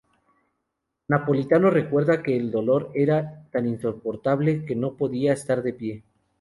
Napolitano recuerda que el dolor era tan insoportable que no podía estar de pie.